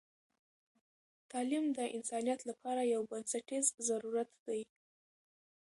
تعلیم د انسانیت لپاره یو بنسټیز ضرورت دی.